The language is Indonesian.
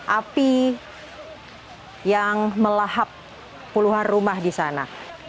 api yang melahap puluhan rumah di sana